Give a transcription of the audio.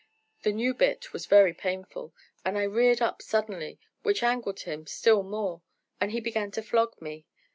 The new bit was very painful, and I reared up suddenly, which angered him still more, and he began to flog me.